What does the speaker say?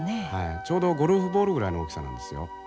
ちょうどゴルフボールぐらいの大きさなんですよ。